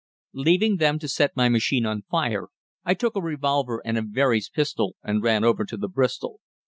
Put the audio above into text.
Leaving them to set my machine on fire, I took a revolver and a Verey's pistol and ran over to the Bristol.